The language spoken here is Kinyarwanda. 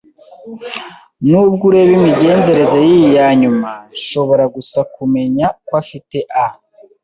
nubwo ureba imigenzereze yiyi yanyuma. Nshobora gusa kumenya ko afite a